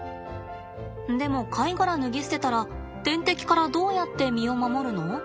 でも貝殻脱ぎ捨てたら天敵からどうやって身を守るの？